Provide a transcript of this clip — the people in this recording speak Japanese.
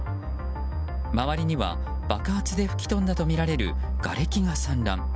周りには爆発で吹き飛んだとみられるがれきが散乱。